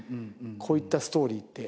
こういったストーリーって。